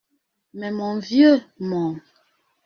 Mais mon vieux,… mon…